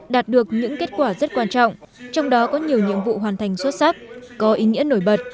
đạt được những kết quả rất quan trọng trong đó có nhiều nhiệm vụ hoàn thành xuất sắc có ý nghĩa nổi bật